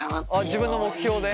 自分の目標で？